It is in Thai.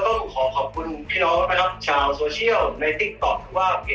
แต่รู้สึกเจ็บมาก